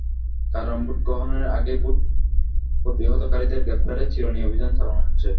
কারণ, ভোট গ্রহণের আগেই ভোট প্রতিহতকারীদের গ্রেপ্তারে চিরুনি অভিযান চালানো হচ্ছে।